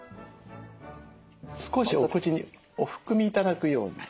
少しお口にお含み頂くように。